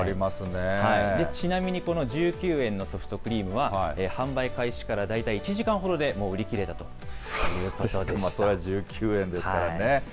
ちなみにこの１９円のソフトクリームは、販売開始から大体１時間ほどでもう売り切れたというそれは１９円ですからね。